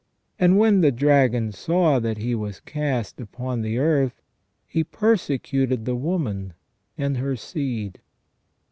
And when the dragon saw that he was cast upon the earth, he persecuted the woman and her seed."